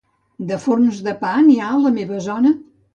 De forns de pa, n'hi ha a la meva zona?